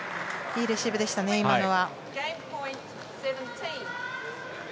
いいレシーブでした今のは。